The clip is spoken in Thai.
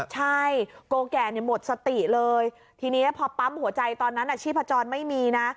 ใช่โกแก่หมดสติเลยทีนี้พอปั๊มหัวใจตอนนั้นอาชีพจรไม่มีนะ